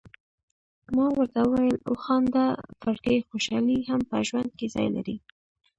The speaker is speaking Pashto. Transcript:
ما ورته وویل: وخانده فرګي، خوشالي هم په ژوند کي ځای لري.